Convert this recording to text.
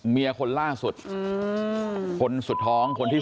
เมียคนล่าสุดคนสุดท้องคนที่๓